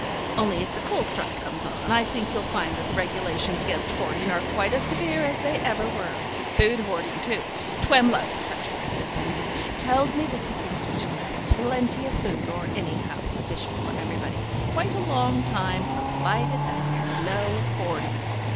Only if the coal strike comes on, I think you'll find that the regulations against hoarding are quite as severe as they ever were. Food hoarding, too. Twemlow such a civil man tells me that he thinks we shall have plenty of food, or anyhow sufficient for everybody for quite a long time, provided that there's no hoarding.